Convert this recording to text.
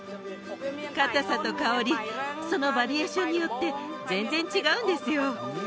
かたさと香りそのバリエーションによって全然違うんですよ